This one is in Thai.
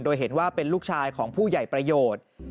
โดยเห็นว่าเป็นลูกชายของผู้ใหญ่ประโยชน์